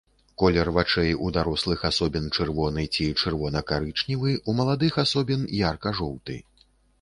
Колер вачэй у дарослых асобін чырвоны ці чырвона-карычневы, у маладых асобін ярка-жоўты.